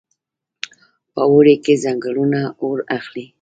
په اوړي کې ځنګلونه اور اخلي.